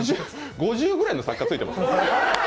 ５０ぐらいの作家ついてます？